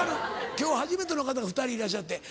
今日初めての方が２人いらっしゃって。